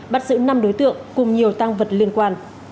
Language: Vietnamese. bắt giữ năm đối tượng cùng nhiều tăng vật liên quan